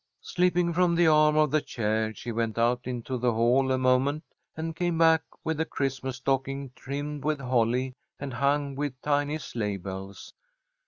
Slipping from the arm of the chair, she went out into the hall a moment, and came back with a Christmas stocking, trimmed with holly and hung with tiny sleigh bells.